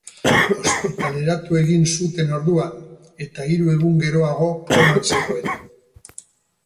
Ospitaleratu egin zuten orduan, eta hiru egun geroago koman zegoen.